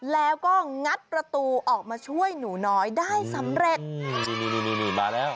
แล้วก็งัดประตูออกมาช่วยหนูน้อยได้สำเร็จนี่นี่มาแล้ว